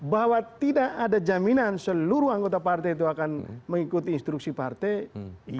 bahwa tidak ada jaminan seluruh anggota partai itu akan mengikuti instruksi partai